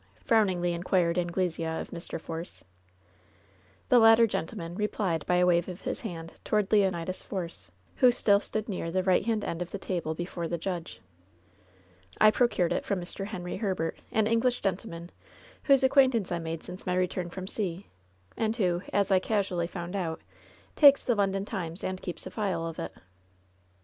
frowningly in quired Anglesea of Mr. Force. The latter gentleman replied by a wave of his hand toward Leonidas Force, who still stood near the right hand end of the table before the judge. "I procured it from Mr. Henry Herbert, an English gentleman, whose acquaintance I made since my return from sea, and who, as I casually found out, takes the London Times, and keeps a file of it."